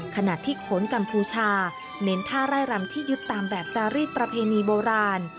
ขณะที่โขนกัมพูชาเน้นท่าไร่รำที่ยึดตามแบบจารีสประเพณีโบราณ